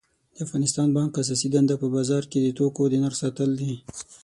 د افغانستان بانک اساسی دنده په بازار کی د توکو د نرخ ساتل دي